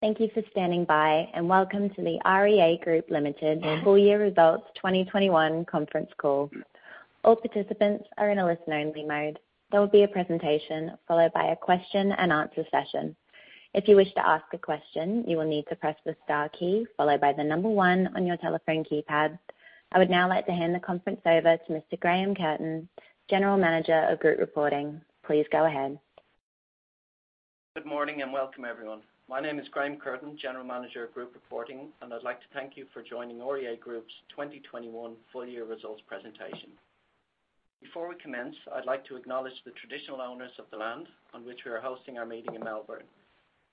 Thank you for standing by. Welcome to the REA Group Limited full year results 2021 conference call. All participants are in a listen only mode. There will be a presentation followed by a question and answer session. If you wish to ask a question, you will need to press the star key followed by the number one on your telephone keypad. I would now like to hand the conference over to Mr. Graham Curtin, General Manager of Group Reporting. Please go ahead. Good morning and welcome everyone. My name is Graham Curtin, General Manager of Group Reporting, and I'd like to thank you for joining REA Group's 2021 full year results presentation. Before we commence, I'd like to acknowledge the traditional owners of the land on which we are hosting our meeting in Melbourne,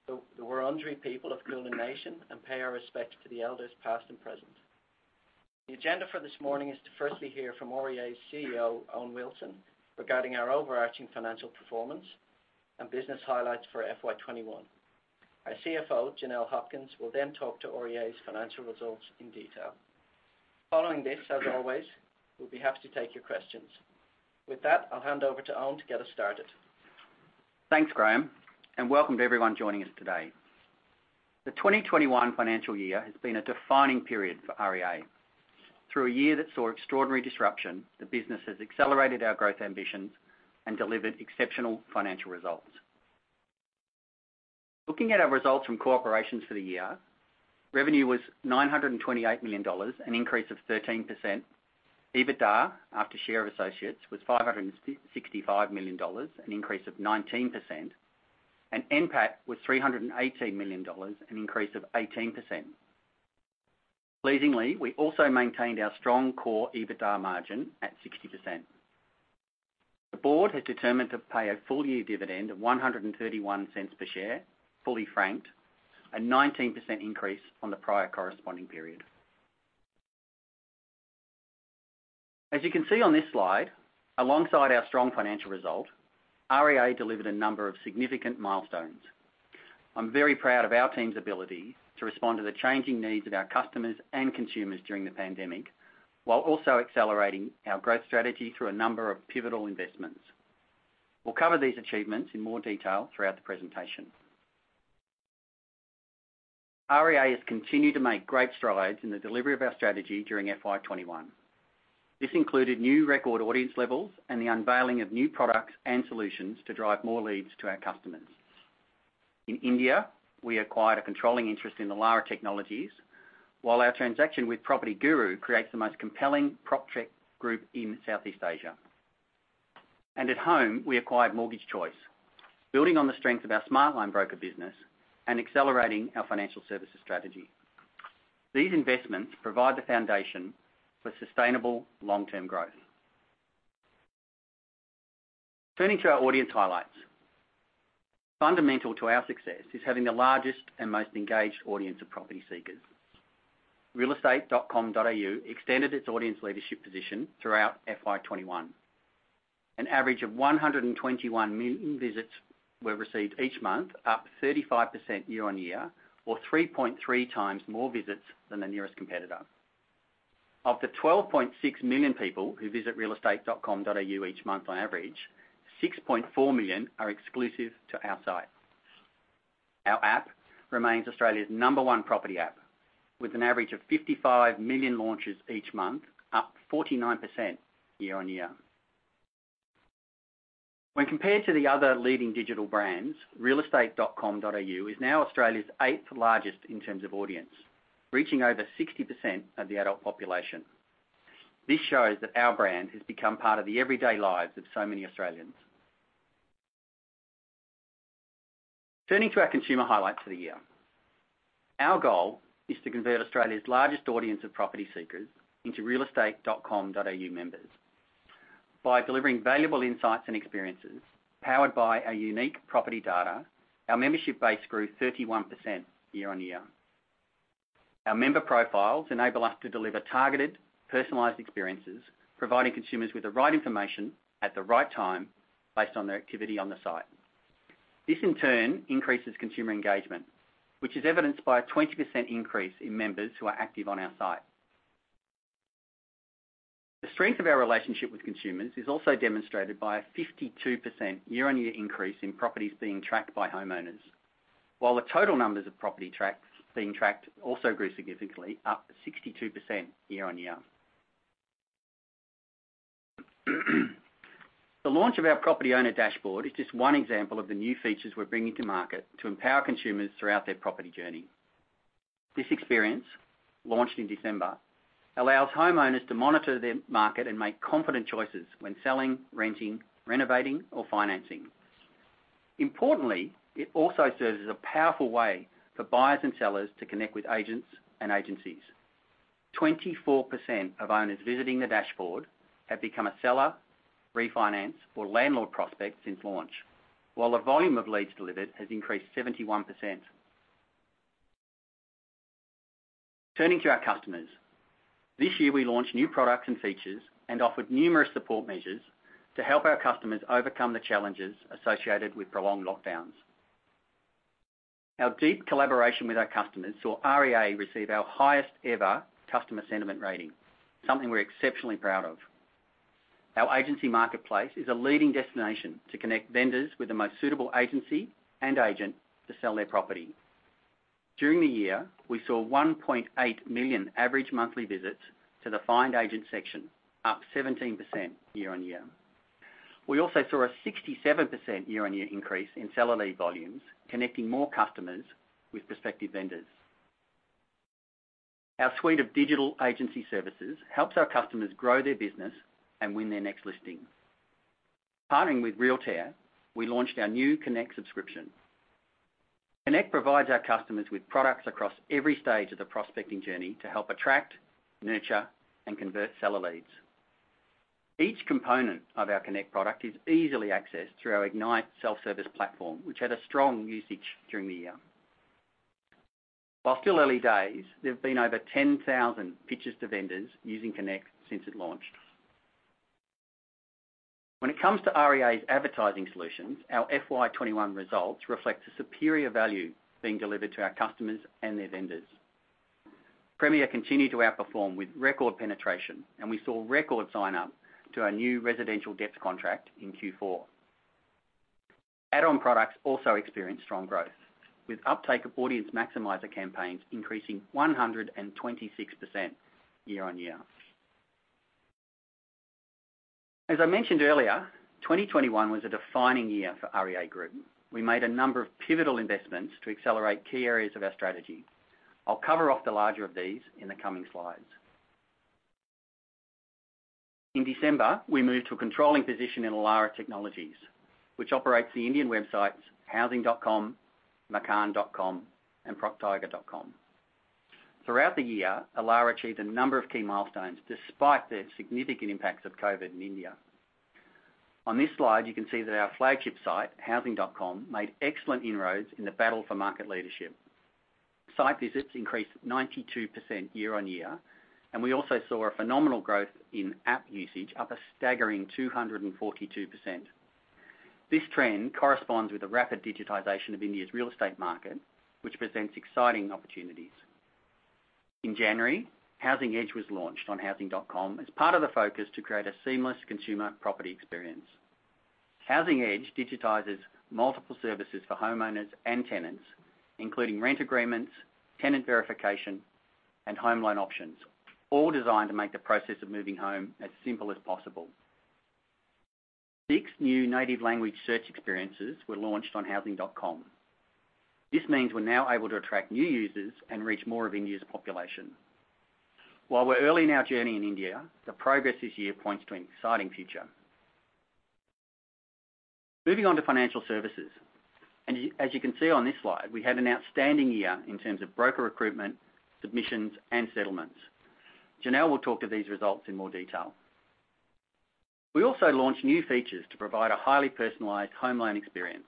the Wurundjeri people of Kulin Nation, and pay our respects to the elders, past and present. The agenda for this morning is to firstly hear from REA's CEO, Owen Wilson, regarding our overarching financial performance and business highlights for FY 2021. Our CFO, Janelle Hopkins, will then talk to REA's financial results in detail. Following this, as always, we'll be happy to take your questions. With that, I'll hand over to Owen to get us started. Thanks, Graham, and welcome to everyone joining us today. The 2021 financial year has been a defining period for REA. Through a year that saw extraordinary disruption, the business has accelerated our growth ambitions and delivered exceptional financial results. Looking at our results from operations for the year, revenue was 928 million dollars, an increase of 13%. EBITDA, after share associates, was 565 million dollars, an increase of 19%, and NPAT was 318 million dollars, an increase of 18%. Pleasingly, we also maintained our strong core EBITDA margin at 60%. The board has determined to pay a full year dividend of 1.31 per share, fully franked, a 19% increase on the prior corresponding period. As you can see on this slide, alongside our strong financial result, REA delivered a number of significant milestones. I'm very proud of our team's ability to respond to the changing needs of our customers and consumers during the pandemic, while also accelerating our growth strategy through a number of pivotal investments. We'll cover these achievements in more detail throughout the presentation. REA has continued to make great strides in the delivery of our strategy during FY 2021. This included new record audience levels and the unveiling of new products and solutions to drive more leads to our customers. In India, we acquired a controlling interest in the Elara Technologies, while our transaction with PropertyGuru creates the most compelling proptech group in Southeast Asia. At home, we acquired Mortgage Choice, building on the strength of our Smartline broker business and accelerating our financial services strategy. These investments provide the foundation for sustainable long-term growth. Turning to our audience highlights. Fundamental to our success is having the largest and most engaged audience of property seekers. realestate.com.au extended its audience leadership position throughout FY 2021. An average of 121 million visits were received each month, up 35% year-on-year, or 3.3 times more visits than the nearest competitor. Of the 12.6 million people who visit realestate.com.au each month on average, 6.4 million are exclusive to our site. Our app remains Australia's number one property app, with an average of 55 million launches each month, up 49% year-on-year. When compared to the other leading digital brands, realestate.com.au is now Australia's eighth largest in terms of audience, reaching over 60% of the adult population. This shows that our brand has become part of the everyday lives of so many Australians. Turning to our consumer highlights for the year. Our goal is to convert Australia's largest audience of property seekers into realestate.com.au members. By delivering valuable insights and experiences, powered by our unique property data, our membership base grew 31% year-on-year. Our member profiles enable us to deliver targeted, personalized experiences, providing consumers with the right information at the right time based on their activity on the site. This, in turn, increases consumer engagement, which is evidenced by a 20% increase in members who are active on our site. The strength of our relationship with consumers is also demonstrated by a 52% year-on-year increase in properties being tracked by homeowners, while the total numbers of property being tracked also grew significantly, up 62% year-on-year. The launch of our property owner dashboard is just one example of the new features we're bringing to market to empower consumers throughout their property journey. This experience, launched in December, allows homeowners to monitor their market and make confident choices when selling, renting, renovating, or financing. Importantly, it also serves as a powerful way for buyers and sellers to connect with agents and agencies. 24% of owners visiting the dashboard have become a seller, refinance, or landlord prospect since launch, while the volume of leads delivered has increased 71%. Turning to our customers. This year, we launched new products and features and offered numerous support measures to help our customers overcome the challenges associated with prolonged lockdowns. Our deep collaboration with our customers saw REA receive our highest ever customer sentiment rating, something we're exceptionally proud of. Our agency marketplace is a leading destination to connect vendors with the most suitable agency and agent to sell their property. During the year, we saw 1.8 million average monthly visits to the Find Agent section, up 17% year-on-year. We also saw a 67% year-on-year increase in seller lead volumes, connecting more customers with prospective vendors. Our suite of digital agency services helps our customers grow their business and win their next listing. Partnering with Realtair, we launched our new Connect subscription. Connect provides our customers with products across every stage of the prospecting journey to help attract, nurture, and convert seller leads. Each component of our Connect product is easily accessed through our Ignite self-service platform, which had a strong usage during the year. While still early days, there have been over 10,000 pitches to vendors using Connect since it launched. When it comes to REA's advertising solutions, our FY 2021 results reflect a superior value being delivered to our customers and their vendors. Premier continued to outperform with record penetration, and we saw record sign-up to our new residential depth contract in Q4. Add-on products also experienced strong growth, with uptake of Audience Maximizer campaigns increasing 126% year-on-year. As I mentioned earlier, 2021 was a defining year for REA Group. We made a number of pivotal investments to accelerate key areas of our strategy. I'll cover off the larger of these in the coming slides. In December, we moved to a controlling position in Elara Technologies, which operates the Indian websites housing.com, makaan.com, and proptiger.com. Throughout the year, Elara achieved a number of key milestones, despite the significant impacts of COVID in India. On this slide, you can see that our flagship site, housing.com, made excellent inroads in the battle for market leadership. Site visits increased 92% year-on-year, and we also saw a phenomenal growth in app usage, up a staggering 242%. This trend corresponds with the rapid digitization of India's real estate market, which presents exciting opportunities. In January, Housing Edge was launched on Housing.com as part of the focus to create a seamless consumer property experience. Housing Edge digitizes multiple services for homeowners and tenants, including rent agreements, tenant verification, and home loan options, all designed to make the process of moving home as simple as possible. Six new native language search experiences were launched on Housing.com. This means we're now able to attract new users and reach more of India's population. While we're early in our journey in India, the progress this year points to an exciting future. Moving on to financial services, and as you can see on this slide, we had an outstanding year in terms of broker recruitment, submissions, and settlements. Janelle will talk to these results in more detail. We also launched new features to provide a highly personalized home loan experience.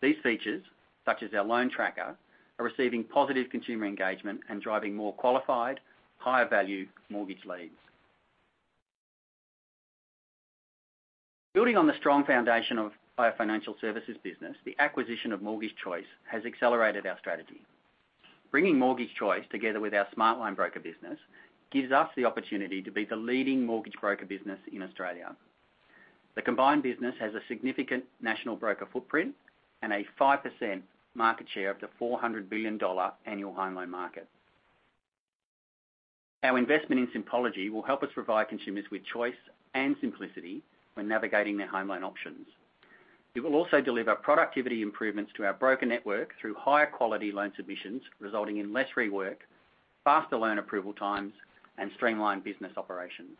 These features, such as our loan tracker, are receiving positive consumer engagement and driving more qualified, higher-value mortgage leads. Building on the strong foundation of our financial services business, the acquisition of Mortgage Choice has accelerated our strategy. Bringing Mortgage Choice together with our Smartline broker business gives us the opportunity to be the leading mortgage broker business in Australia. The combined business has a significant national broker footprint and a 5% market share of the 400 billion dollar annual home loan market. Our investment in Simpology will help us provide consumers with choice and simplicity when navigating their home loan options. It will also deliver productivity improvements to our broker network through higher quality loan submissions, resulting in less rework, faster loan approval times, and streamlined business operations.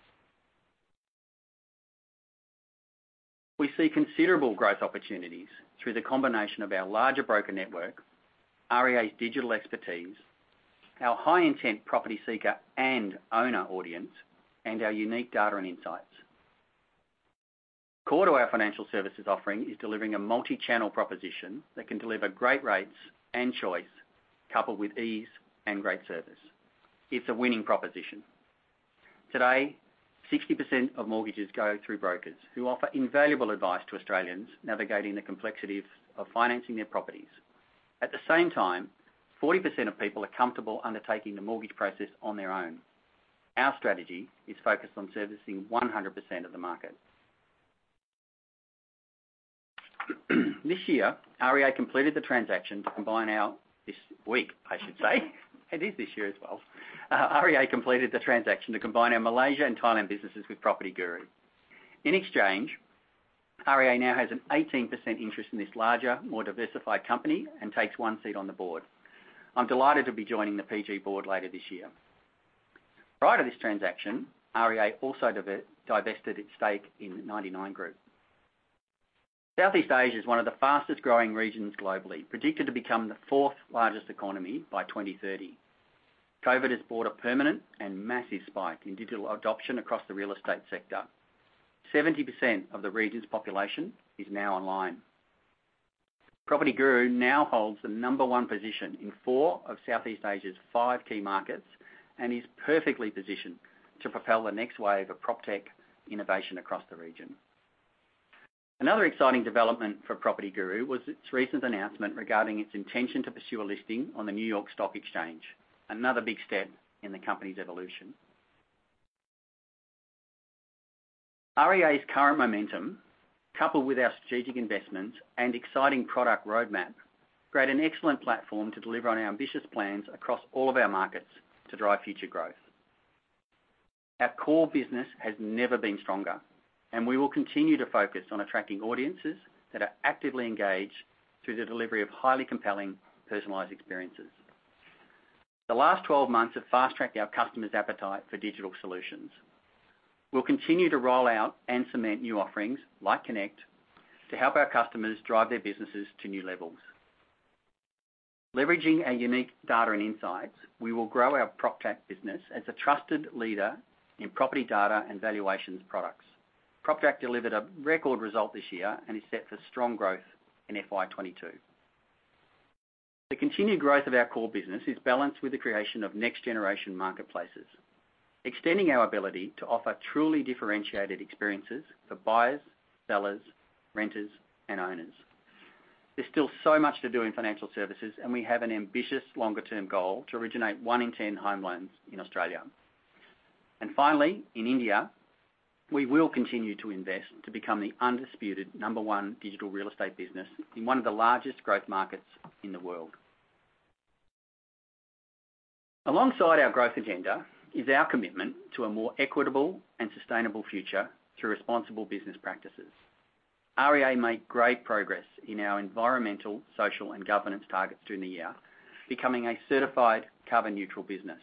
We see considerable growth opportunities through the combination of our larger broker network, REA's digital expertise, our high-intent property seeker and owner audience, and our unique data and insights. Core to our financial services offering is delivering a multi-channel proposition that can deliver great rates and choice coupled with ease and great service. It's a winning proposition. Today, 60% of mortgages go through brokers who offer invaluable advice to Australians navigating the complexities of financing their properties. At the same time, 40% of people are comfortable undertaking the mortgage process on their own. Our strategy is focused on servicing 100% of the market. This week, I should say. It is this year as well. REA completed the transaction to combine our Malaysia and Thailand businesses with PropertyGuru. In exchange, REA now has an 18% interest in this larger, more diversified company and takes one seat on the board. I'm delighted to be joining the PG board later this year. Prior to this transaction, REA also divested its stake in 99 Group. Southeast Asia is one of the fastest-growing regions globally, predicted to become the fourth largest economy by 2030. COVID has brought a permanent and massive spike in digital adoption across the real estate sector. 70% of the region's population is now online. PropertyGuru now holds the number one position in four of Southeast Asia's five key markets and is perfectly positioned to propel the next wave of proptech innovation across the region. Another exciting development for PropertyGuru was its recent announcement regarding its intention to pursue a listing on the New York Stock Exchange. Another big step in the company's evolution. REA's current momentum, coupled with our strategic investments and exciting product roadmap, create an excellent platform to deliver on our ambitious plans across all of our markets to drive future growth. Our core business has never been stronger, and we will continue to focus on attracting audiences that are actively engaged through the delivery of highly compelling, personalized experiences. The last 12 months have fast-tracked our customers' appetite for digital solutions. We'll continue to roll out and cement new offerings, like Connect, to help our customers drive their businesses to new levels. Leveraging our unique data and insights, we will grow our PropTrack business as a trusted leader in property data and valuations products. PropTrack delivered a record result this year and is set for strong growth in FY 2022. The continued growth of our core business is balanced with the creation of next-generation marketplaces, extending our ability to offer truly differentiated experiences for buyers, sellers, renters, and owners. There's still so much to do in financial services, and we have an ambitious longer-term goal to originate one in 10 home loans in Australia. Finally, in India, we will continue to invest to become the undisputed number one digital real estate business in one of the largest growth markets in the world. Alongside our growth agenda is our commitment to a more equitable and sustainable future through responsible business practices. REA made great progress in our environmental, social, and governance targets during the year, becoming a certified carbon-neutral business.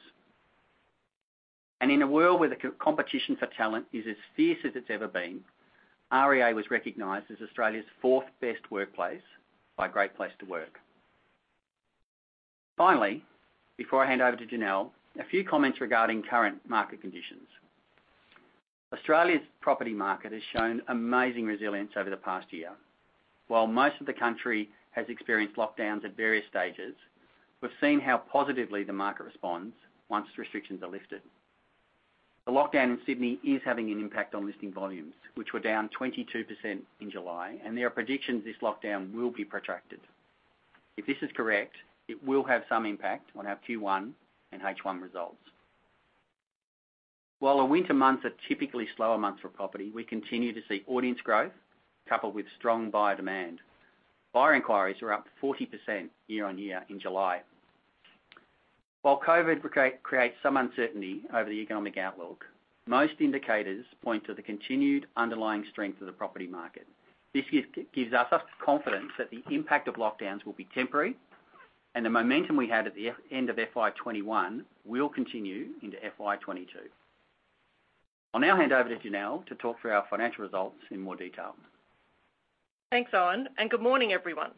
In a world where the competition for talent is as fierce as it's ever been, REA was recognized as Australia's fourth best workplace by Great Place to Work. Finally, before I hand over to Janelle, a few comments regarding current market conditions. Australia's property market has shown amazing resilience over the past year. While most of the country has experienced lockdowns at various stages, we've seen how positively the market responds once restrictions are lifted. The lockdown in Sydney is having an impact on listing volumes, which were down 22% in July, and there are predictions this lockdown will be protracted. If this is correct, it will have some impact on our Q1 and H1 results. While the winter months are typically slower months for property, we continue to see audience growth coupled with strong buyer demand. Buyer inquiries were up 40% year-over-year in July. While COVID creates some uncertainty over the economic outlook, most indicators point to the continued underlying strength of the property market. This gives us confidence that the impact of lockdowns will be temporary, and the momentum we had at the end of FY 2021 will continue into FY 2022. I will now hand over to Janelle to talk through our financial results in more detail. Thanks, Owen, and good morning, everyone.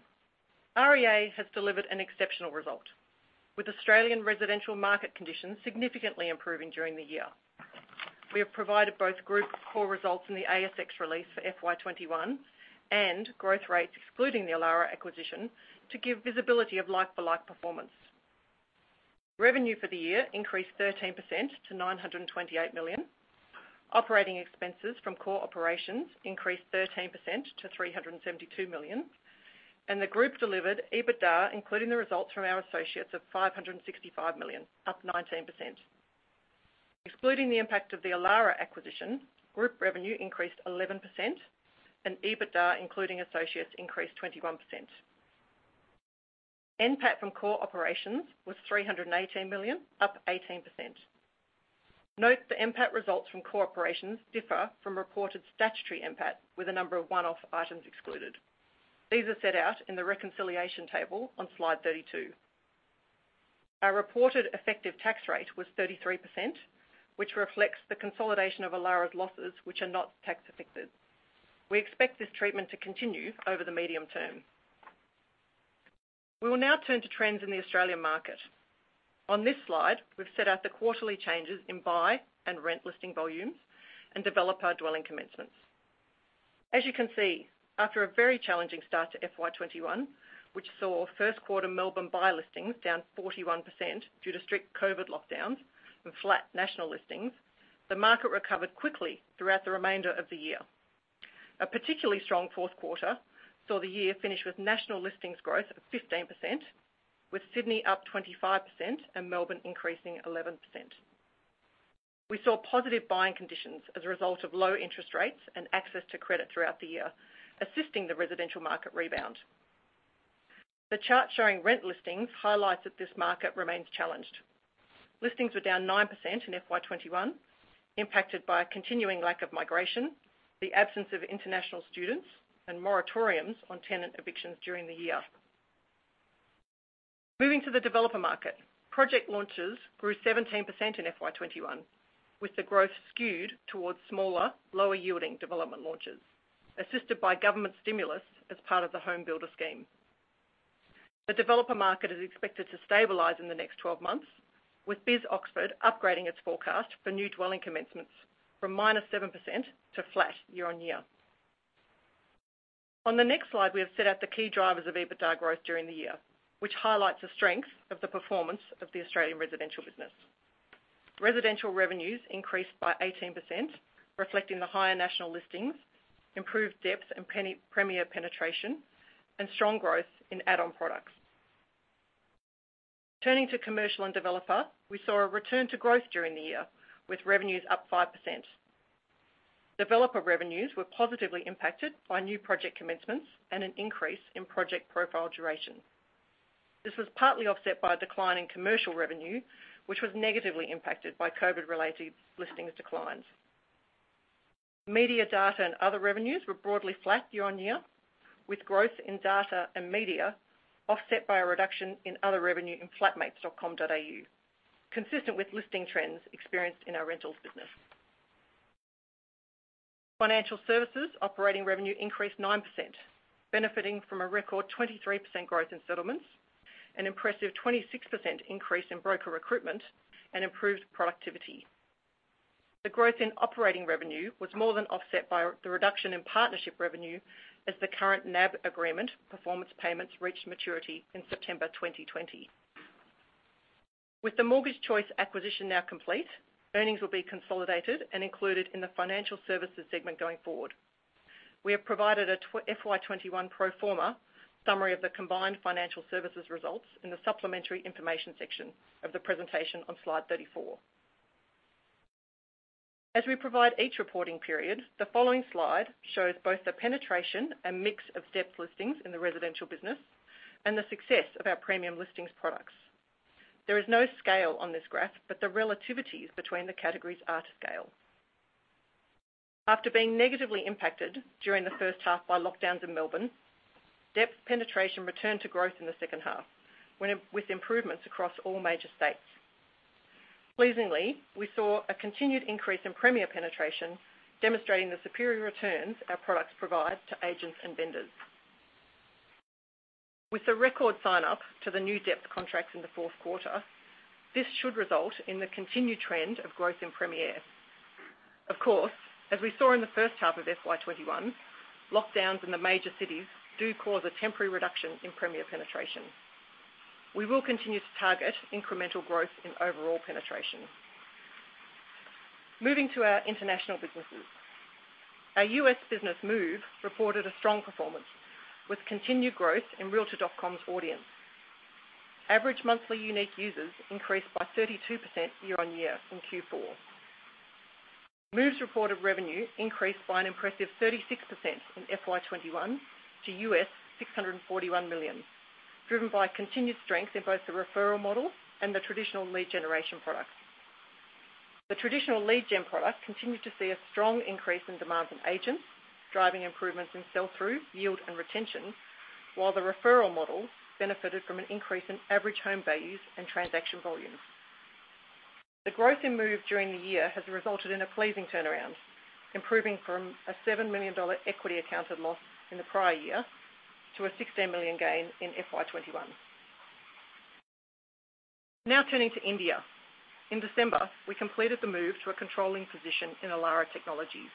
REA has delivered an exceptional result. With Australian residential market conditions significantly improving during the year, we have provided both group core results in the ASX release for FY 2021 and growth rates excluding the Elara acquisition to give visibility of like-for-like performance. Revenue for the year increased 13% to 928 million. Operating expenses from core operations increased 13% to 372 million, and the group delivered EBITDA, including the results from our associates of 565 million, up 19%. Excluding the impact of the Elara acquisition, group revenue increased 11%, and EBITDA including associates increased 21%. NPAT from core operations was 318 million, up 18%. Note the NPAT results from core operations differ from reported statutory NPAT, with a number of one-off items excluded. These are set out in the reconciliation table on slide 32. Our reported effective tax rate was 33%, which reflects the consolidation of Elara's losses, which are not tax affected. We expect this treatment to continue over the medium term. We will now turn to trends in the Australian market. On this slide, we've set out the quarterly changes in buy and rent listing volumes and developer dwelling commencements. As you can see, after a very challenging start to FY 2021, which saw first quarter Melbourne buy listings down 41% due to strict COVID lockdowns and flat national listings, the market recovered quickly throughout the remainder of the year. A particularly strong fourth quarter saw the year finish with national listings growth of 15%, with Sydney up 25% and Melbourne increasing 11%. We saw positive buying conditions as a result of low interest rates and access to credit throughout the year, assisting the residential market rebound. The chart showing rent listings highlights that this market remains challenged. Listings were down 9% in FY 2021, impacted by a continuing lack of migration, the absence of international students, and moratoriums on tenant evictions during the year. Moving to the developer market, project launches grew 17% in FY 2021, with the growth skewed towards smaller, lower-yielding development launches, assisted by government stimulus as part of the HomeBuilder scheme. The developer market is expected to stabilize in the next 12 months, with BIS Oxford upgrading its forecast for new dwelling commencements from -7% to flat year-on-year. On the next slide, we have set out the key drivers of EBITDA growth during the year, which highlights the strength of the performance of the Australian residential business. Residential revenues increased by 18%, reflecting the higher national listings, improved depth and premier penetration, and strong growth in add-on products. Turning to commercial and developer, we saw a return to growth during the year, with revenues up 5%. Developer revenues were positively impacted by new project commencements and an increase in project profile duration. This was partly offset by a decline in commercial revenue, which was negatively impacted by COVID-related listings declines. Media data and other revenues were broadly flat year-over-year, with growth in data and media offset by a reduction in other revenue in flatmates.com.au, consistent with listing trends experienced in our rentals business. Financial services operating revenue increased 9%, benefiting from a record 23% growth in settlements, an impressive 26% increase in broker recruitment, and improved productivity. The growth in operating revenue was more than offset by the reduction in partnership revenue as the current NAB agreement performance payments reached maturity in September 2020. With the Mortgage Choice acquisition now complete, earnings will be consolidated and included in the financial services segment going forward. We have provided a FY 2021 pro forma summary of the combined financial services results in the supplementary information section of the presentation on Slide 34. As we provide each reporting period, the following slide shows both the penetration and mix of depth listings in the residential business and the success of our premium listings products. There is no scale on this graph, but the relativities between the categories are to scale. After being negatively impacted during the first half by lockdowns in Melbourne, depth penetration returned to growth in the second half with improvements across all major states. Pleasingly, we saw a continued increase in premier penetration, demonstrating the superior returns our products provide to agents and vendors. With the record sign-up to the new depth contracts in the fourth quarter, this should result in the continued trend of growth in premier. Of course, as we saw in the first half of FY 2021, lockdowns in the major cities do cause a temporary reduction in premier penetration. We will continue to target incremental growth in overall penetration. Moving to our international businesses. Our U.S. business, Move, reported a strong performance with continued growth in realtor.com's audience. Average monthly unique users increased by 32% year-on-year in Q4. Move's reported revenue increased by an impressive 36% in FY 2021 to $641 million, driven by continued strength in both the referral model and the traditional lead generation product. The traditional lead gen product continued to see a strong increase in demand from agents, driving improvements in sell through, yield, and retention, while the referral model benefited from an increase in average home values and transaction volumes. The growth in Move during the year has resulted in a pleasing turnaround, improving from a $7 million equity accounted loss in the prior year to a $16 million gain in FY 2021. Now turning to India. In December, we completed the move to a controlling position in Elara Technologies.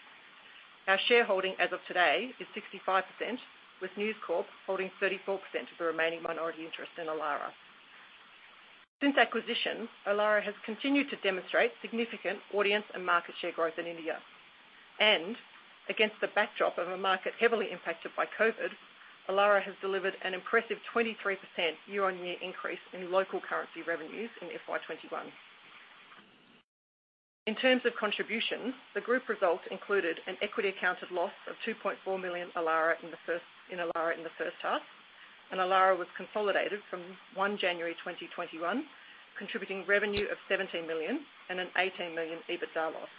Our shareholding as of today is 65%, with News Corp holding 34% of the remaining minority interest in Elara. Since acquisition, Elara has continued to demonstrate significant audience and market share growth in India. Against the backdrop of a market heavily impacted by COVID, Elara has delivered an impressive 23% year-over-year increase in local currency revenues in FY 2021. In terms of contributions, the group results included an equity accounted loss of 2.4 million in Elara in the first half, and Elara was consolidated from January 1st, 2021, contributing revenue of 17 million and an 18 million EBITDA loss.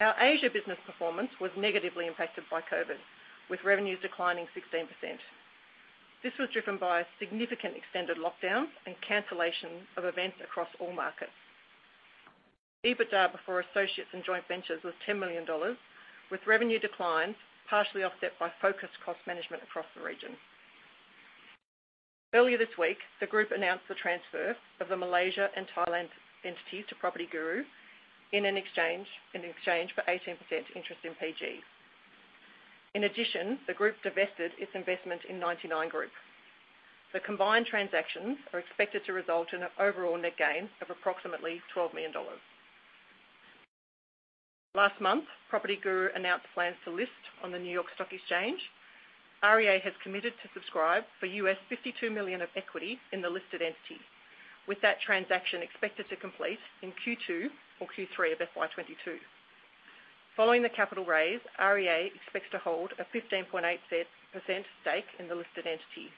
Our Asia business performance was negatively impacted by COVID, with revenues declining 16%. This was driven by significant extended lockdowns and cancellation of events across all markets. EBITDA before associates and joint ventures was 10 million dollars, with revenue declines partially offset by focused cost management across the region. Earlier this week, the group announced the transfer of the Malaysia and Thailand entities to PropertyGuru in exchange for 18% interest in PG. In addition, the group divested its investment in 99 Group. The combined transactions are expected to result in an overall net gain of approximately 12 million dollars. Last month, PropertyGuru announced plans to list on the New York Stock Exchange. REA has committed to subscribe for $52 million of equity in the listed entity. With that transaction expected to complete in Q2 or Q3 of FY 2022. Following the capital raise, REA expects to hold a 15.8% stake in the listed entity.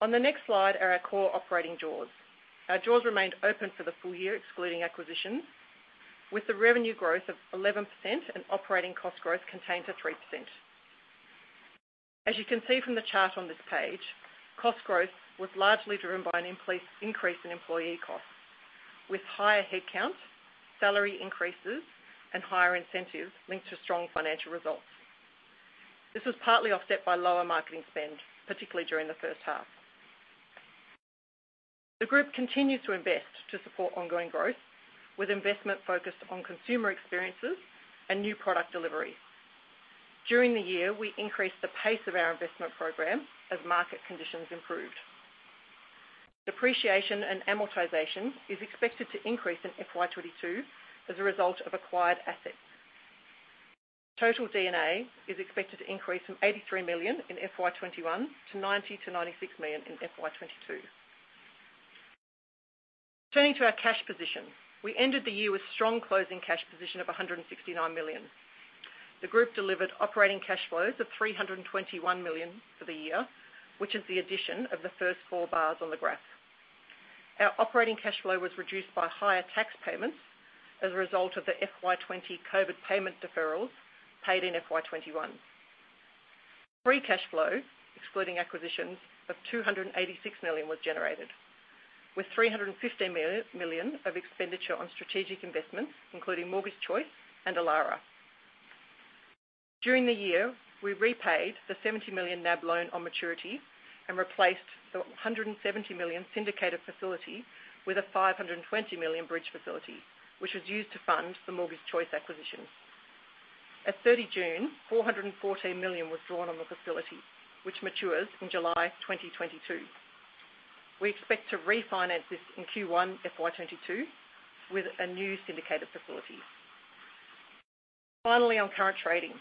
On the next slide are our core operating doors. Our doors remained open for the full year, excluding acquisitions, with the revenue growth of 11% and operating cost growth contained to 3%. As you can see from the chart on this page, cost growth was largely driven by an increase in employee costs, with higher headcounts, salary increases, and higher incentives linked to strong financial results. This was partly offset by lower marketing spend, particularly during the first half. The group continued to invest to support ongoing growth, with investment focused on consumer experiences and new product delivery. During the year, we increased the pace of our investment program as market conditions improved. Depreciation and amortization is expected to increase in FY 2022 as a result of acquired assets. Total D&A is expected to increase from 83 million in FY 2021 to 90 million-96 million in FY 2022. Turning to our cash position, we ended the year with strong closing cash position of 169 million. The group delivered operating cash flows of 321 million for the year, which is the addition of the first four bars on the graph. Our operating cash flow was reduced by higher tax payments as a result of the FY 2020 COVID payment deferrals paid in FY 2021. Free cash flow, excluding acquisitions of 286 million was generated, with 315 million of expenditure on strategic investments, including Mortgage Choice and Elara. During the year, we repaid the 70 million NAB loan on maturity and replaced the 170 million syndicated facility with a 520 million bridge facility, which was used to fund the Mortgage Choice acquisition. At June 30th, AUDn414 million was drawn on the facility, which matures in July 2022. We expect to refinance this in Q1 FY 2022 with a new syndicated facility. Finally, on current trading.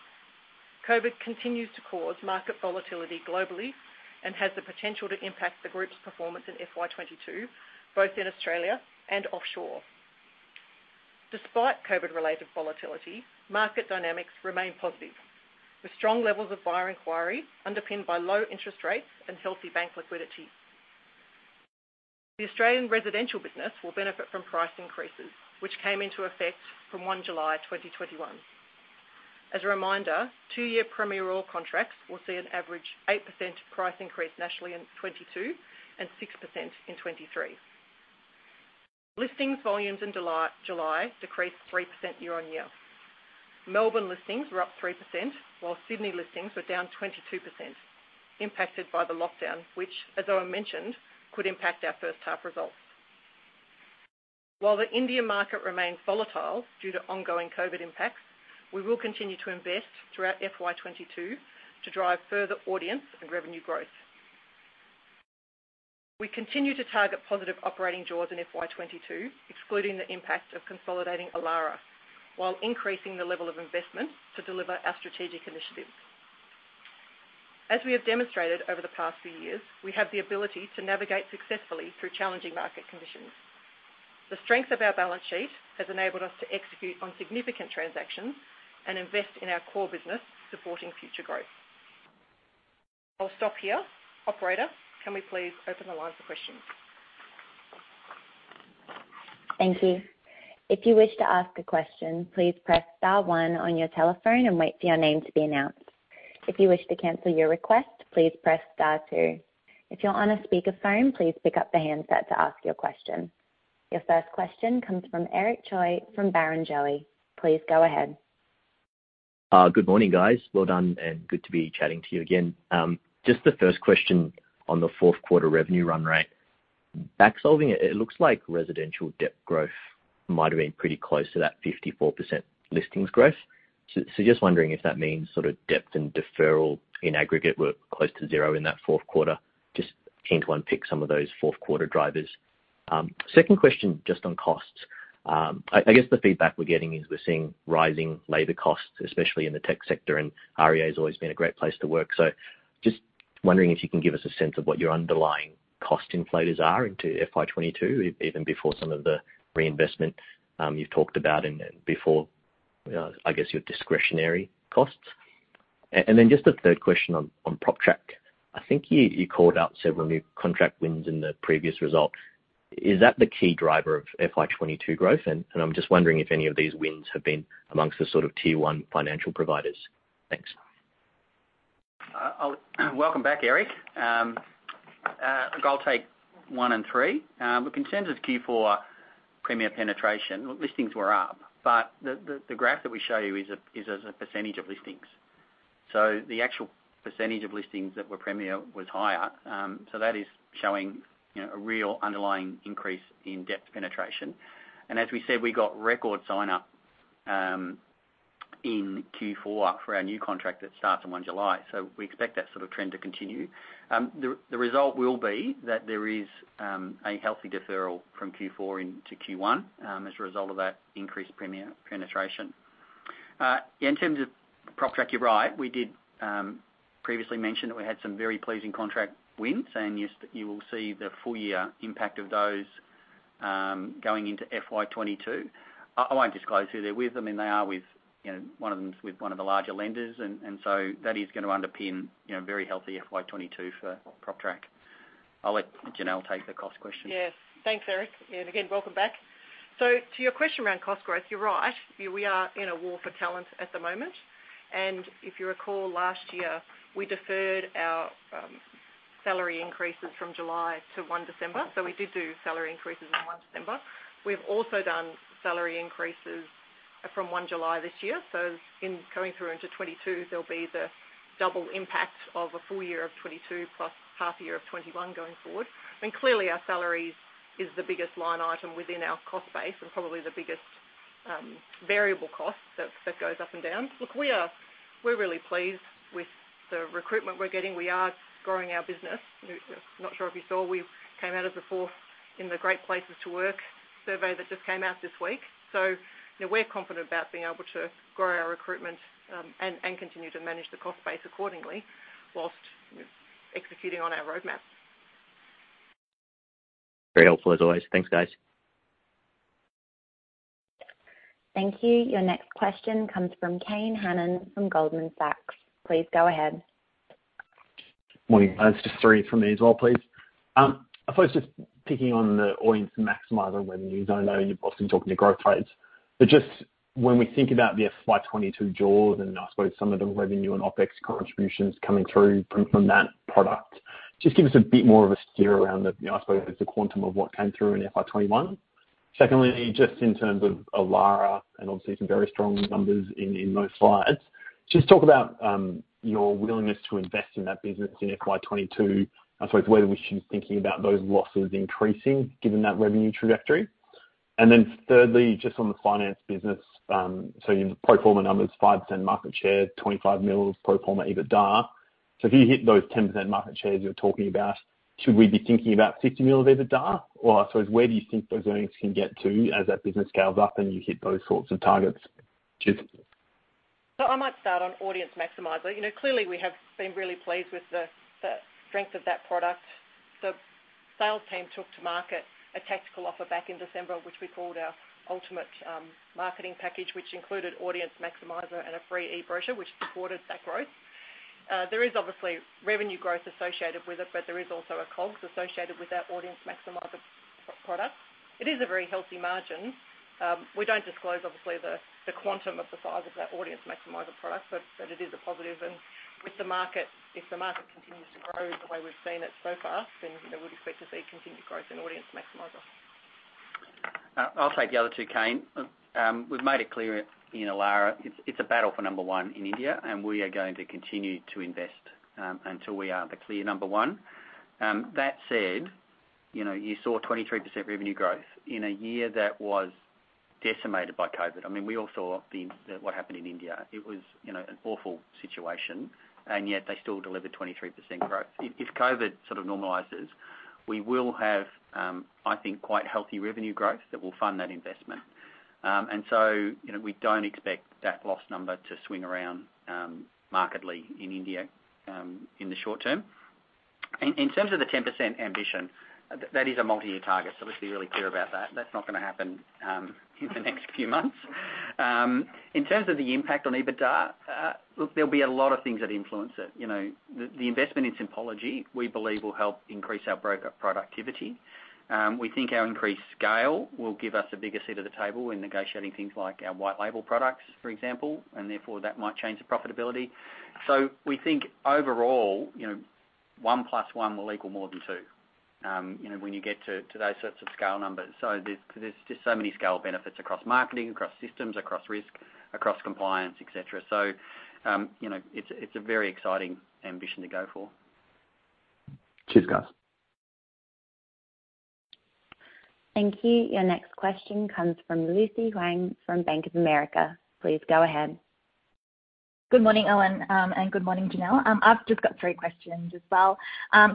COVID continues to cause market volatility globally and has the potential to impact the group's performance in FY 2022, both in Australia and offshore. Despite COVID related volatility, market dynamics remain positive, with strong levels of buyer inquiry underpinned by low interest rates and healthy bank liquidity. The Australian residential business will benefit from price increases, which came into effect from July 1st, 2021. As a reminder, two-year Premier All contracts will see an average 8% price increase nationally in 2022, and 6% in 2023. Listings volumes in July decreased 3% year-over-year. Melbourne listings were up 3%, while Sydney listings were down 22%, impacted by the lockdown, which, as I mentioned, could impact our first half results. While the Indian market remains volatile due to ongoing COVID impacts, we will continue to invest throughout FY 2022 to drive further audience and revenue growth. We continue to target positive operating jaws in FY 2022, excluding the impact of consolidating Elara, while increasing the level of investment to deliver our strategic initiatives. As we have demonstrated over the past few years, we have the ability to navigate successfully through challenging market conditions. The strength of our balance sheet has enabled us to execute on significant transactions and invest in our core business supporting future growth. I'll stop here. Operator, can we please open the line for questions? Thank you. If you wish to ask a question, please press star one on your telephone and wait for your name to be announced. If you wish to cancel your request, please press star two. If you're on a speakerphone, please pick up the handset to ask your question. Your first question comes from Eric Choi from Barrenjoey. Please go ahead. Good morning, guys. Well done, and good to be chatting to you again. Just the first question on the fourth quarter revenue run rate. Back solving, it looks like residential debt growth might have been pretty close to that 54% listings growth. Just wondering if that means sort of debt and deferral in aggregate were close to zero in that fourth quarter. Just keen to unpick some of those fourth quarter drivers. Second question, just on costs. I guess the feedback we're getting is we're seeing rising labor costs, especially in the tech sector, and REA has always been a great place to work. Just wondering if you can give us a sense of what your underlying cost inflators are into FY 2022, even before some of the reinvestment you've talked about and before, I guess, your discretionary costs. Just a third question on PropTrack. I think you called out several new contract wins in the previous result. Is that the key driver of FY 2022 growth? I'm just wondering if any of these wins have been amongst the sort of Tier 1 financial providers. Thanks. Welcome back, Eric. I'll take one and three. With concerns as key for premier penetration, listings were up, but the graph that we show you is as a percentage of listings. The actual percentage of listings that were premier was higher. That is showing a real underlying increase in depth penetration. As we said, we got record sign up in Q4 for our new contract that starts on July 1st. We expect that sort of trend to continue. The result will be that there is a healthy deferral from Q4 into Q1 as a result of that increased premier penetration. In terms of PropTrack, you're right. We did previously mention that we had some very pleasing contract wins, and you will see the full year impact of those going into FY 2022. I won't disclose who they're with. One of them is with one of the larger lenders, and so that is going to underpin very healthy FY 2022 for PropTrack. I'll let Janelle take the cost question. Yes. Thanks, Eric. Again, welcome back. To your question around cost growth, you're right. We are in a war for talent at the moment. If you recall last year, we deferred our salary increases from July to 1 December. We did do salary increases on 1 December. We've also done salary increases from July 1st, this year. In coming through into 2022, there'll be the double impact of a full year of 2022 plus half year of 2021 going forward. Clearly, our salaries is the biggest line item within our cost base and probably the biggest variable costs that goes up and down. Look, we're really pleased with the recruitment we're getting. We are growing our business. Not sure if you saw, we came out of the fourth in the Great Place to Work survey that just came out this week. We're confident about being able to grow our recruitment, and continue to manage the cost base accordingly whilst executing on our roadmap. Very helpful as always. Thanks, guys. Thank you. Your next question comes from Kane Hannan from Goldman Sachs. Please go ahead. Morning, guys. Just three from me as well, please. I suppose just picking on the Audience Maximizer revenues. I know you've often talked in growth rates, but just when we think about the FY 2022 jaws and I suppose some of the revenue and OpEx contributions coming through from that product, just give us a bit more of a steer around the, I suppose, the quantum of what came through in FY 2021. Secondly, just in terms of Elara and obviously some very strong numbers in those slides, just talk about your willingness to invest in that business in FY 2022. I suppose whether we should be thinking about those losses increasing given that revenue trajectory. Thirdly, just on the finance business. In the pro forma numbers, 5% market share, 25 million pro forma EBITDA. if you hit those 10% market shares you're talking about, should we be thinking about 50 million of EBITDA? I suppose where do you think those earnings can get to as that business scales up and you hit those sorts of targets? Cheers. I might start on Audience Maximizer. Clearly we have been really pleased with the strength of that product. The sales team took to market a tactical offer back in December, which we called our Ultimate Marketing Package, which included Audience Maximizer and a free eBrochure which supported that growth. There is obviously revenue growth associated with it, but there is also a COGS associated with that Audience Maximizer product. It is a very healthy margin. We don't disclose obviously the quantum of the size of that Audience Maximizer product, but it is a positive. If the market continues to grow the way we've seen it so far, then we'd expect to see continued growth in Audience Maximizer. I'll take the other two, Kane. We've made it clear in Elara, it's a battle for number one in India, and we are going to continue to invest until we are the clear number one. That said, you saw 23% revenue growth in a year that was decimated by COVID. We all saw what happened in India. It was an awful situation, and yet they still delivered 23% growth. If COVID normalizes, we will have, I think, quite healthy revenue growth that will fund that investment. We don't expect that loss number to swing around markedly in India, in the short term. In terms of the 10% ambition, that is a multi-year target, so let's be really clear about that. That's not going to happen in the next few months. In terms of the impact on EBITDA, look, there'll be a lot of things that influence it. The investment in Simpology, we believe, will help increase our broker productivity. We think our increased scale will give us a bigger seat at the table in negotiating things like our white label products, for example, and therefore that might change the profitability. We think overall, one plus one will equal more than two when you get to those sorts of scale numbers. There's just so many scale benefits across marketing, across systems, across risk, across compliance, et cetera. It's a very exciting ambition to go for. Cheers, guys. Thank you. Your next question comes from Lucy Huang from Bank of America. Please go ahead. Good morning, Owen. Good morning, Janelle. I've just got three questions as well.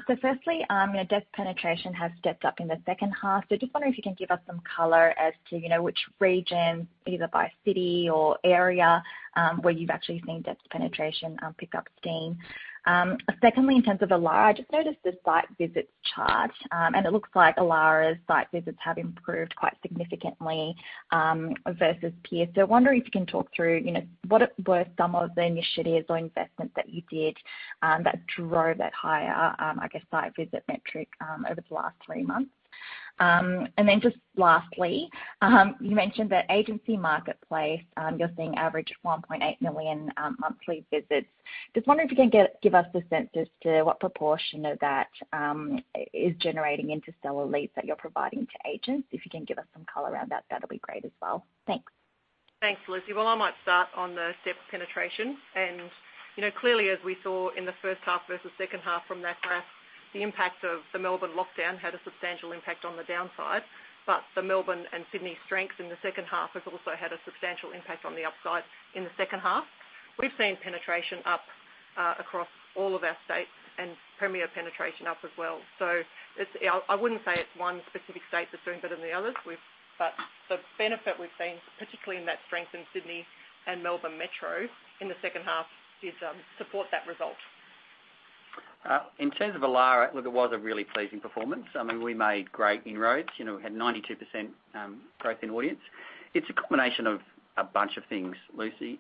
Firstly, your depth penetration has stepped up in the second half. Just wonder if you can give us some color as to which regions, either by city or area, where you've actually seen depth penetration pick up steam. Secondly, in terms of Elara, I just noticed the site visits chart. It looks like Elara's site visits have improved quite significantly, versus peers. Wondering if you can talk through what were some of the initiatives or investments that you did, that drove that higher, I guess site visit metric over the last three months. Just lastly, you mentioned that agency marketplace, you're seeing average 1.8 million monthly visits. Just wondering if you can give us a sense as to what proportion of that is generating into seller leads that you're providing to agents. If you can give us some color around that'll be great as well. Thanks. Thanks, Lucy. Well, I might start on the depth penetration. Clearly as we saw in the first half versus second half from that graph, the impact of the Melbourne lockdown had a substantial impact on the downside. The Melbourne and Sydney strength in the second half has also had a substantial impact on the upside in the second half. We've seen penetration up across all of our states and premier penetration up as well. I wouldn't say it's one specific state that's doing better than the others. The benefit we've seen, particularly in that strength in Sydney and Melbourne Metro in the second half, did support that result. In terms of Elara, look, it was a really pleasing performance. We made great inroads. We had 92% growth in audience. It's a combination of a bunch of things, Lucy.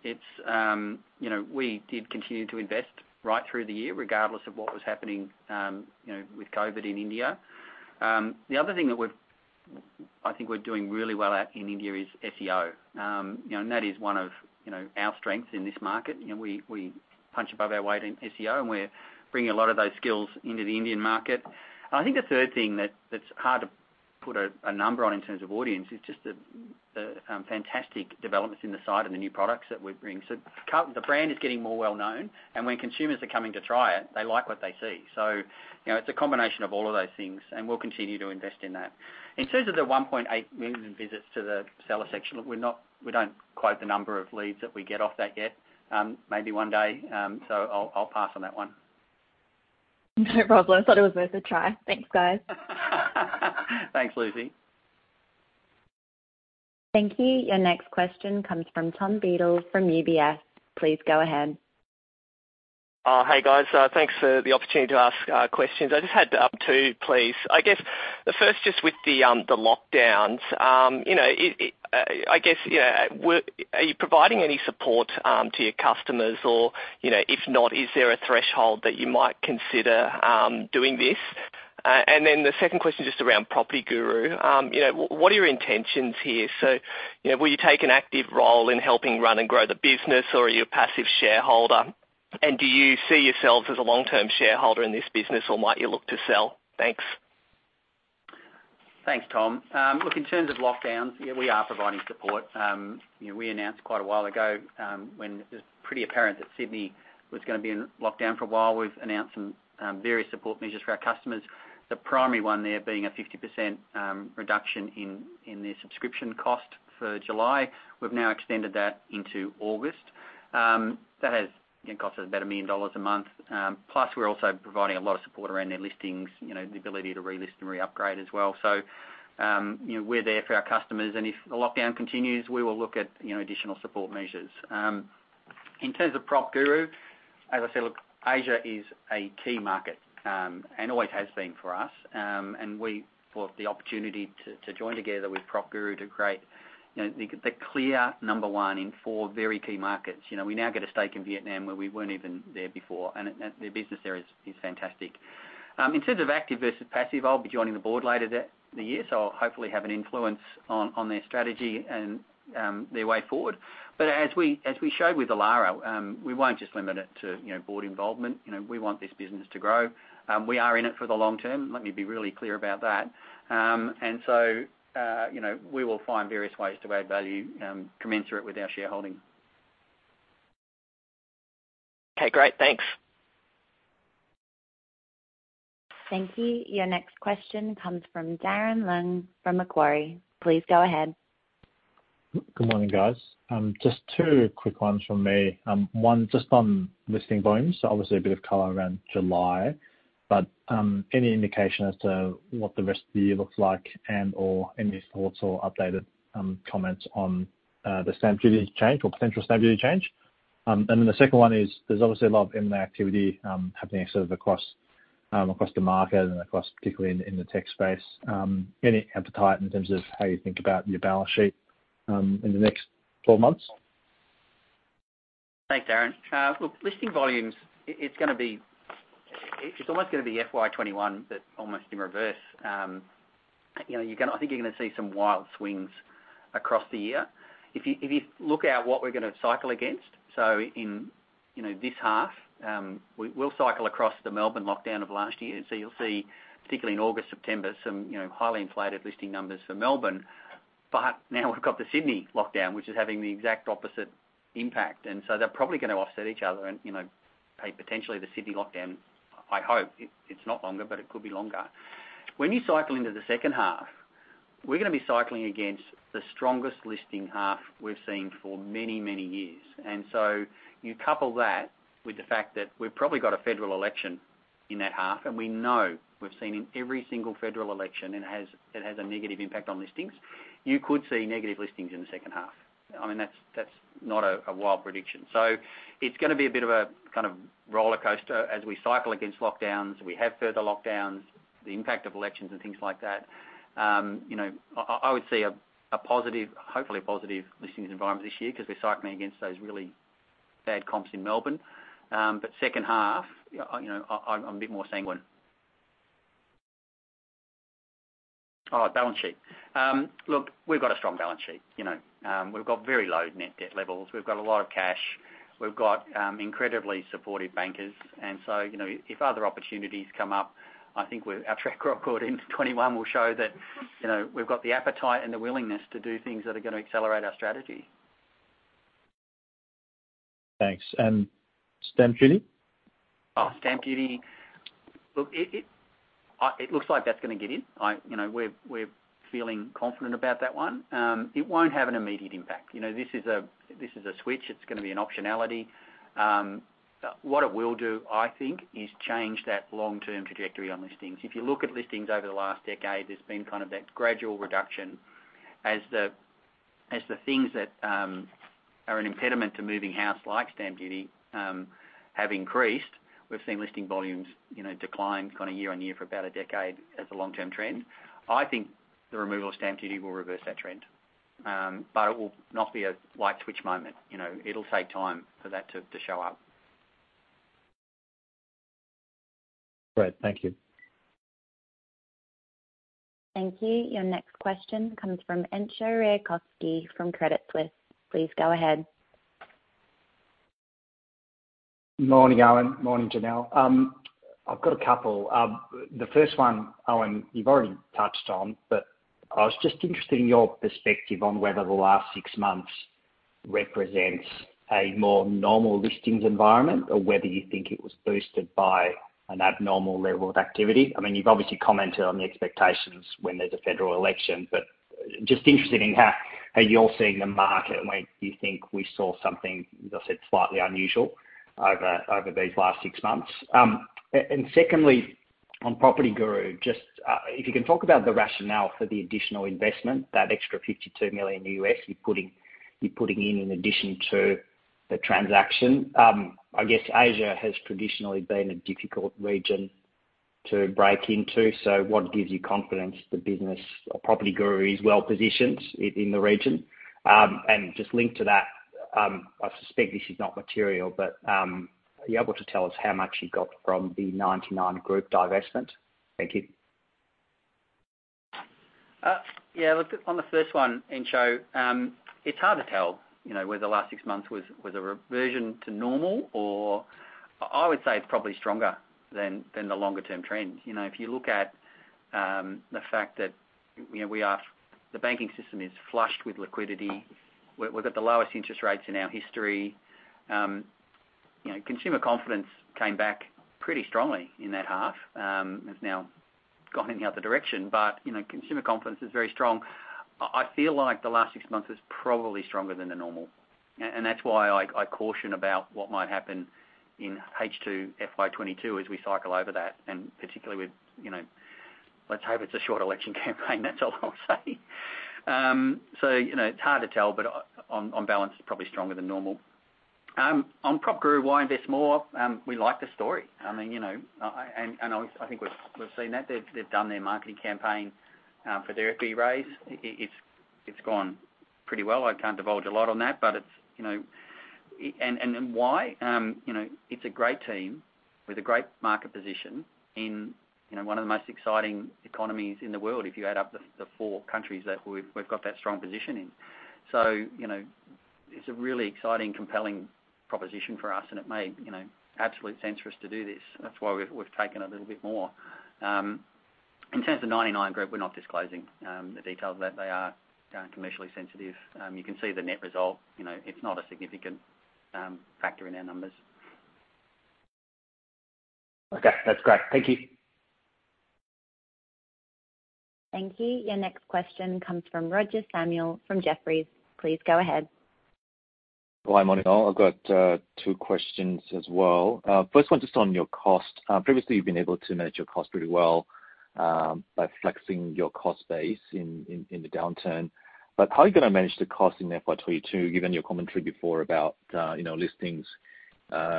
We did continue to invest right through the year regardless of what was happening with COVID in India. The other thing that I think we're doing really well at in India is SEO. That is one of our strengths in this market. We punch above our weight in SEO, and we're bringing a lot of those skills into the Indian market. I think the third thing that's hard to put a number on in terms of audience. It's just the fantastic developments in the site and the new products that we're bringing. The brand is getting more well-known, and when consumers are coming to try it, they like what they see. It's a combination of all of those things, and we'll continue to invest in that. In terms of the 1.8 million visits to the seller section, we don't quote the number of leads that we get off that yet. Maybe one day, so I'll pass on that one. No problem. Thought it was worth a try. Thanks, guys. Thanks, Lucy. Thank you. Your next question comes from Tom Beadle from UBS. Please go ahead. Oh, hey guys. Thanks for the opportunity to ask questions. I just had two, please. I guess the first, just with the lockdowns. I guess, are you providing any support to your customers or, if not, is there a threshold that you might consider doing this? The second question, just around PropertyGuru. What are your intentions here? Will you take an active role in helping run and grow the business, or are you a passive shareholder? Do you see yourselves as a long-term shareholder in this business, or might you look to sell? Thanks. Thanks, Tom. Look, in terms of lockdowns, yeah, we are providing support. We announced quite a while ago, when it was pretty apparent that Sydney was gonna be in lockdown for a while, we've announced some various support measures for our customers. The primary one there being a 50% reduction in their subscription cost for July. We've now extended that into August. That has, again, cost us about 1 million dollars a month. Plus, we're also providing a lot of support around their listings, the ability to relist and re-upgrade as well. We're there for our customers, and if the lockdown continues, we will look at additional support measures. In terms of PropertyGuru, as I said, look, Asia is a key market, and always has been for us. We thought the opportunity to join together with PropertyGuru to create the clear number one in four very key markets. We now get a stake in Vietnam, where we weren't even there before, and their business there is fantastic. In terms of active versus passive, I'll be joining the board later the year, so I'll hopefully have an influence on their strategy and their way forward. as we showed with Elara, we won't just limit it to board involvement. We want this business to grow. We are in it for the long term, let me be really clear about that. we will find various ways to add value commensurate with our shareholding. Okay, great. Thanks. Thank you. Your next question comes from Darren Leung from Macquarie. Please go ahead. Good morning, guys. Just two quick ones from me. One, just on listing volumes. Obviously a bit of color around July, but any indication as to what the rest of the year looks like and/or any thoughts or updated comments on the stamp duty change or potential stamp duty change? The second one is, there's obviously a lot of M&A activity happening across the market and across particularly in the tech space. Any appetite in terms of how you think about your balance sheet, in the next 12 months? Thanks, Darren. Look, listing volumes, it's almost gonna be FY 2021, but almost in reverse. I think you're gonna see some wild swings across the year. If you look at what we're gonna cycle against, so in this half, we'll cycle across the Melbourne lockdown of last year. You'll see, particularly in August, September, some highly inflated listing numbers for Melbourne. Now we've got the Sydney lockdown, which is having the exact opposite impact, and so they're probably gonna offset each other and, potentially the Sydney lockdown, I hope it's not longer, but it could be longer. When you cycle into the second half, we're gonna be cycling against the strongest listing half we've seen for many, many years. You couple that with the fact that we've probably got a federal election in that half, and we know we've seen in every single federal election, it has a negative impact on listings. You could see negative listings in the second half. That's not a wild prediction. It's gonna be a bit of a kind of rollercoaster as we cycle against lockdowns, we have further lockdowns, the impact of elections and things like that. I would see a positive, hopefully a positive listings environment this year because we're cycling against those really bad comps in Melbourne. Second half, I'm a bit more sanguine. Oh, balance sheet. Look, we've got a strong balance sheet. We've got very low net debt levels. We've got a lot of cash. We've got incredibly supportive bankers, and so, if other opportunities come up, I think our track record into 2021 will show that we've got the appetite and the willingness to do things that are gonna accelerate our strategy. Thanks. Stamp duty? Oh, stamp duty. Look, it looks like that's gonna get in. We're feeling confident about that one. It won't have an immediate impact. This is a switch. It's gonna be an optionality. What it will do, I think, is change that long-term trajectory on listings. If you look at listings over the last decade, there's been kind of that gradual reduction. As the things that are an impediment to moving house, like stamp duty, have increased, we've seen listing volumes decline kind of year on year for about a decade as a long-term trend. I think the removal of stamp duty will reverse that trend. It will not be a light switch moment. It'll take time for that to show up. Great. Thank you. Thank you. Your next question comes from Entcho Raykovski from Credit Suisse. Please go ahead. Morning, Owen. Morning, Janelle. I've got a couple. The first one, Owen, you've already touched on, but I was just interested in your perspective on whether the last six months represents a more normal listings environment or whether you think it was boosted by an abnormal level of activity. You've obviously commented on the expectations when there's a federal election, but just interested in how you're seeing the market, and do you think we saw something, as I said, slightly unusual over these last six months? Secondly, on PropertyGuru, if you can talk about the rationale for the additional investment, that extra $52 million you're putting in in addition to the transaction. I guess Asia has traditionally been a difficult region to break into. What gives you confidence the business or PropertyGuru is well positioned in the region? Just linked to that, I suspect this is not material, but are you able to tell us how much you got from the 99 Group divestment? Thank you. Yeah. Look, on the first one, Entcho, it's hard to tell, whether the last six months was a reversion to normal or. I would say it's probably stronger than the longer-term trend. If you look at the fact that the banking system is flushed with liquidity, we've got the lowest interest rates in our history. Consumer confidence came back pretty strongly in that half. It's now gone in the other direction, but consumer confidence is very strong. I feel like the last six months is probably stronger than the normal, and that's why I caution about what might happen in H2 FY 2022 as we cycle over that, and particularly with, let's hope it's a short election campaign, that's all I'll say. It's hard to tell, but on balance, it's probably stronger than normal. On PropertyGuru, why invest more? We like the story. I think we've seen that they've done their marketing campaign for their equity raise. It's gone pretty well. I can't divulge a lot on that. Why? It's a great team with a great market position in one of the most exciting economies in the world, if you add up the four countries that we've got that strong position in. It's a really exciting, compelling proposition for us, and it made absolute sense for us to do this. That's why we've taken a little bit more. In terms of 99 Group, we're not disclosing the details of that. They are commercially sensitive. You can see the net result. It's not a significant factor in our numbers. Okay. That's great. Thank you. Thank you. Your next question comes from Roger Samuel from Jefferies. Please go ahead. Hi. Morning, all. I've got two questions as well. First one just on your cost. Previously, you've been able to manage your cost pretty well by flexing your cost base in the downturn, but how are you going to manage the cost in FY 2022, given your commentary before about listings? Yeah,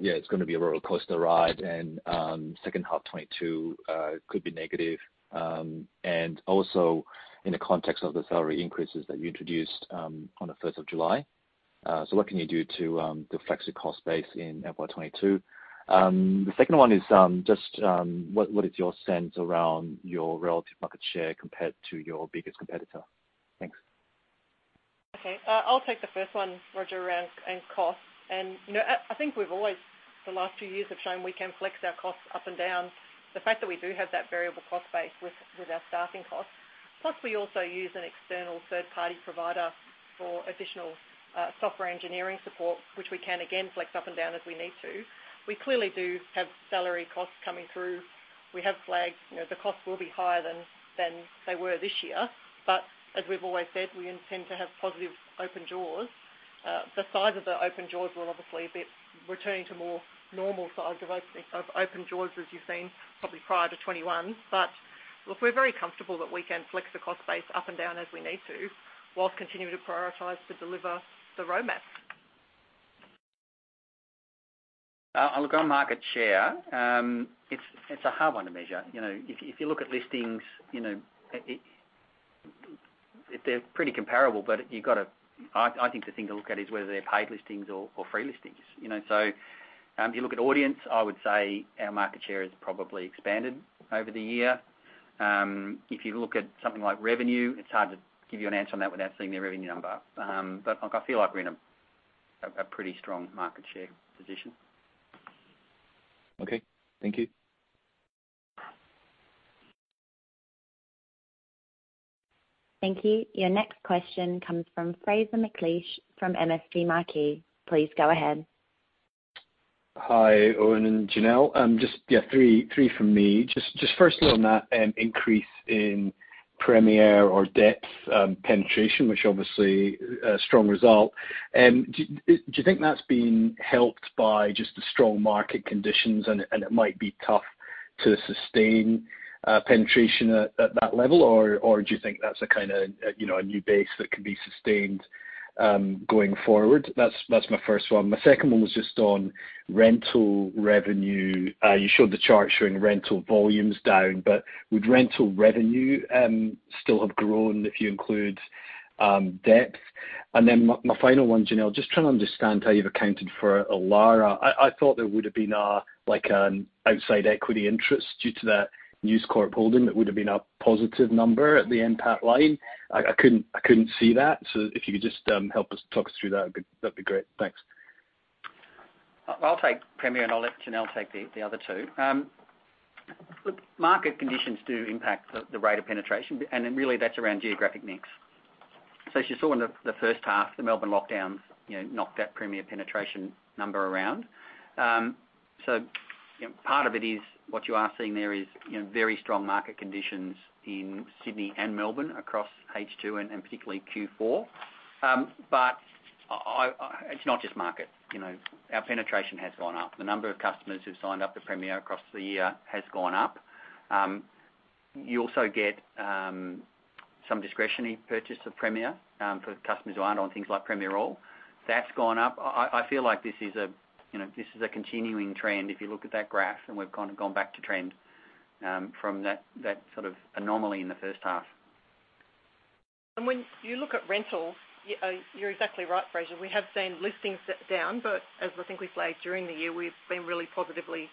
it's going to be a roller coaster ride, and second half 2022 could be negative. Also, in the context of the salary increases that you introduced on the 1st of July. What can you do to deflect your cost base in FY 2022? The second one is just, what is your sense around your relative market share compared to your biggest competitor? Thanks. Okay. I'll take the first one, Roger, around costs. I think we've always, the last few years have shown we can flex our costs up and down. The fact that we do have that variable cost base with our staffing costs, plus we also use an external third-party provider for additional software engineering support, which we can again flex up and down as we need to. We clearly do have salary costs coming through. We have flagged the costs will be higher than they were this year. As we've always said, we intend to have positive open doors. The size of the open doors will obviously be returning to more normal size of open doors as you've seen probably prior to 2021. Look, we're very comfortable that we can flex the cost base up and down as we need to, whilst continuing to prioritize to deliver the roadmap. Look, on market share, it's a hard one to measure. If you look at listings, they're pretty comparable, I think the thing to look at is whether they're paid listings or free listings. If you look at audience, I would say our market share has probably expanded over the year. If you look at something like revenue, it's hard to give you an answer on that without seeing their revenue number. Look, I feel like we're in a pretty strong market share position. Okay. Thank you. Thank you. Your next question comes from Fraser McLeish from MST Marquee. Please go ahead. Hi, Owen and Janelle. three from me. Firstly on that increase in Premier or depth penetration, which obviously a strong result, do you think that's been helped by just the strong market conditions and it might be tough to sustain penetration at that level, or do you think that's a new base that could be sustained going forward? That's my first one. My second one was just on rental revenue. You showed the chart showing rental volumes down. Would rental revenue still have grown if you include depth? My final one, Janelle, just trying to understand how you've accounted for Elara. I thought there would've been an outside equity interest due to that News Corp holding that would've been a positive number at the NPAT line. I couldn't see that. If you could just help us talk through that'd be great. Thanks. I'll take Premier and I'll let Janelle take the other two. Look, market conditions do impact the rate of penetration, really that's around geographic mix. As you saw in the first half, the Melbourne lockdowns knocked that Premier penetration number around. Part of it is what you are seeing there is very strong market conditions in Sydney and Melbourne across H2 and particularly Q4. It's not just market. Our penetration has gone up. The number of customers who've signed up to Premier across the year has gone up. You also get some discretionary purchase of Premier for customers who aren't on things like Premier All. That's gone up. I feel like this is a continuing trend if you look at that graph, we've kind of gone back to trend from that sort of anomaly in the first half. When you look at rental, you're exactly right, Fraser. We have seen listings down, but as I think we flagged during the year, we've been really positively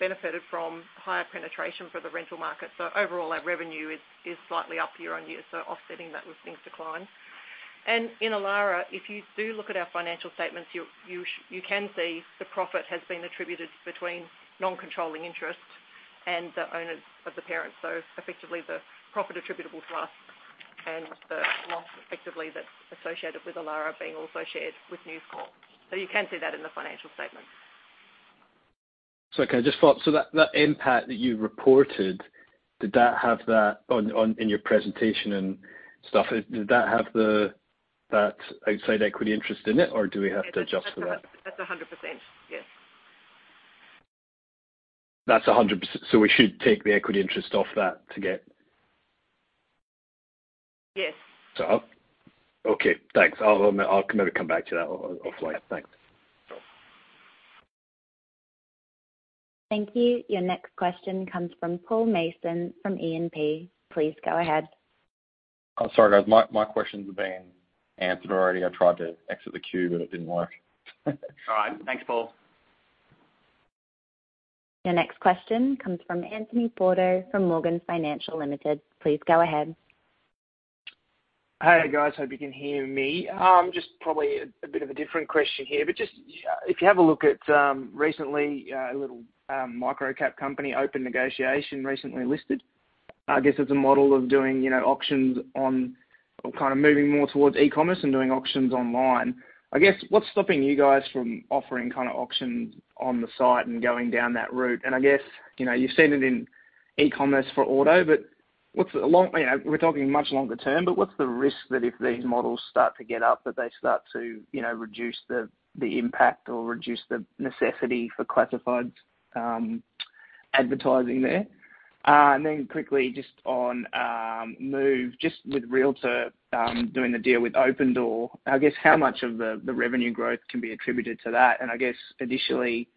benefited from higher penetration for the rental market. Overall, our revenue is slightly up year on year, so offsetting that listings decline. In Elara, if you do look at our financial statements, you can see the profit has been attributed between non-controlling interests and the owners of the parent. Effectively, the profit attributable to us and the loss effectively that's associated with Elara being also shared with News Corp. You can see that in the financial statements. Sorry, can I just follow up? That impact that you reported in your presentation and stuff, did that have that outside equity interest in it, or do we have to adjust for that? That's 100%, yes. That's 100%. we should take the equity interest off that to get. Yes. Okay, thanks. I'll maybe come back to that offline. Thanks. Thank you. Your next question comes from Paul Mason from E&P. Please go ahead. Sorry, guys. My questions have been answered already. I tried to exit the queue, but it didn't work. All right. Thanks, Paul. Your next question comes from Anthony Porto from Morgans Financial Limited. Please go ahead. Hey, guys. Hope you can hear me. Probably a bit of a different question here, but if you have a look at recently, a little micro-cap company, Openn Negotiation, recently listed. I guess it's a model of doing auctions on or kind of moving more towards e-commerce and doing auctions online. I guess what's stopping you guys from offering kind of auctions on the site and going down that route? I guess, you've seen it in e-commerce for auto. We're talking much longer term, but what's the risk that if these models start to get up, that they start to reduce the impact or reduce the necessity for classifieds advertising there? Then quickly just on Move, just with realtor.com doing the deal with Opendoor, I guess how much of the revenue growth can be attributed to that? I guess additionally,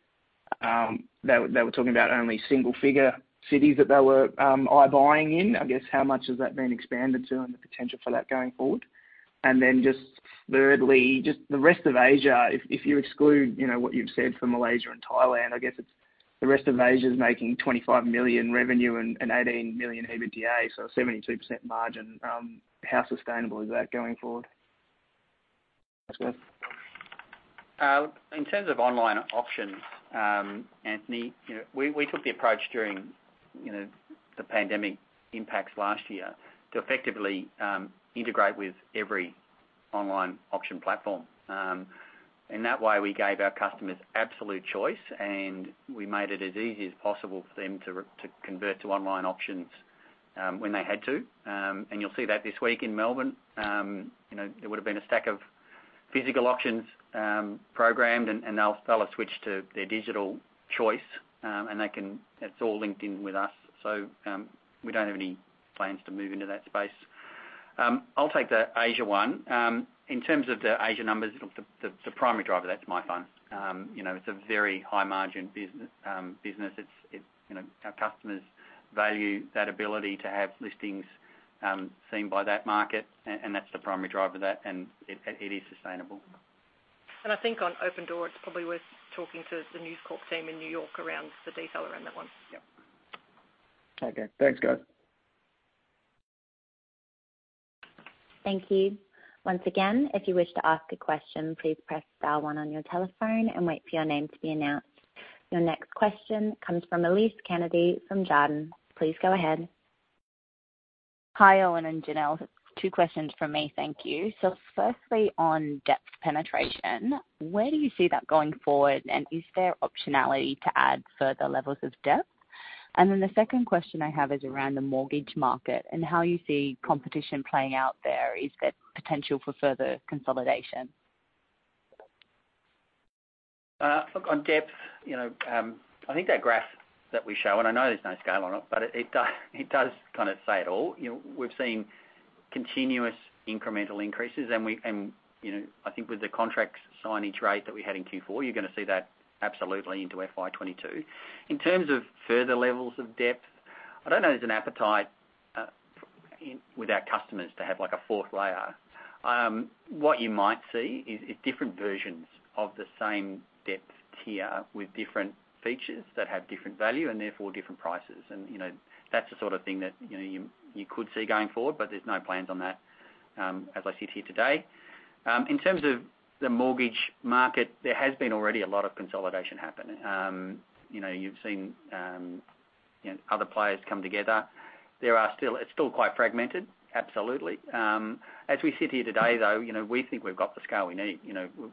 they were talking about only single-figure cities that they were iBuying in. I guess how much has that been expanded to and the potential for that going forward? Just thirdly, just the rest of Asia, if you exclude what you've said for Malaysia and Thailand, I guess the rest of Asia is making 25 million revenue and 18 million EBITDA, so a 72% margin. How sustainable is that going forward? In terms of online auctions, Anthony, we took the approach during the pandemic impacts last year to effectively integrate with every online auction platform. In that way, we gave our customers absolute choice, and we made it as easy as possible for them to convert to online auctions, when they had to. You'll see that this week in Melbourne. There would've been a stack of physical auctions programmed, and they'll have switched to their digital choice. It's all linked in with us. We don't have any plans to move into that space. I'll take the Asia one. In terms of the Asia numbers, the primary driver, that's myfun.com. It's a very high-margin business. Our customers value that ability to have listings seen by that market, and that's the primary driver of that, and it is sustainable. I think on Opendoor, it's probably worth talking to the News Corp team in New York around the detail around that one. Okay. Thanks, guys. Thank you. Your next question comes from Elise Kennedy from Jarden. Please go ahead. Hi, Owen and Janelle. Two questions from me. Thank you. Firstly, on depth penetration, where do you see that going forward, and is there optionality to add further levels of depth? The second question I have is around the mortgage market and how you see competition playing out there. Is there potential for further consolidation? Look, on depth, I think that graph that we show, and I know there's no scale on it, but it does kind of say it all. I think with the contract signage rate that we had in Q4, you're gonna see that absolutely into FY 2022. In terms of further levels of depth, I don't know there's an appetite with our customers to have a fourth layer. What you might see is different versions of the same depth tier with different features that have different value and therefore different prices. That's the sort of thing that you could see going forward, There's no plans on that as I sit here today. In terms of the mortgage market, there has been already a lot of consolidation happen. You've seen other players come together. It's still quite fragmented, absolutely. As we sit here today, though, we think we've got the scale we need.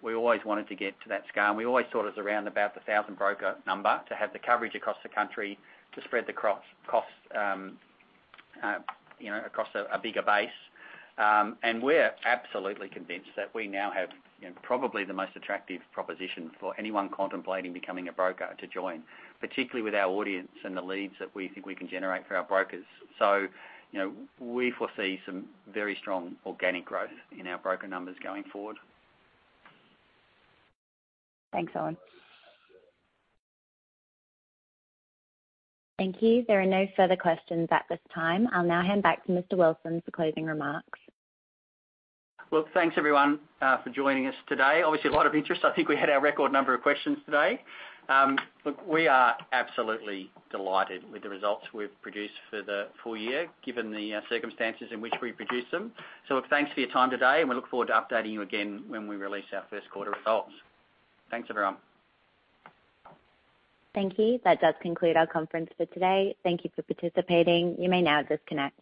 We always wanted to get to that scale, and we always thought it was around about 1,000 broker number to have the coverage across the country to spread the costs across a bigger base. We're absolutely convinced that we now have probably the most attractive proposition for anyone contemplating becoming a broker to join, particularly with our audience and the leads that we think we can generate for our brokers. We foresee some very strong organic growth in our broker numbers going forward. Thanks, Owen. Thank you. There are no further questions at this time. I will now hand back to Mr. Wilson for closing remarks. Thanks, everyone, for joining us today. A lot of interest. I think we had our record number of questions today. We are absolutely delighted with the results we've produced for the full year, given the circumstances in which we produced them. Thanks for your time today, and we look forward to updating you again when we release our first quarter results. Thanks, everyone. Thank you. That does conclude our conference for today. Thank you for participating. You may now disconnect.